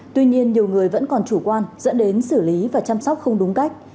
tuy nhiên nhiều người vẫn còn chủ quan dẫn đến xử lý và chăm sóc không đúng cách